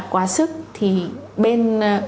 quá sức thì bên